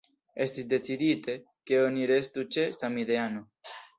Estis decidite, ke oni restu ĉe „samideano”.